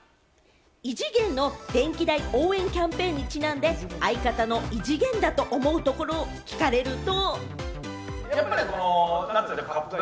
異次元の電気代応援キャンペーンにちなんで、相方の異次元だと思うところを聞かれると。